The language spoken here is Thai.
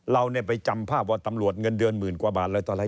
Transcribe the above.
เราไปจำภาพว่าตำรวจเงินเดือนหมื่นกว่าบาทอะไรต่ออะไร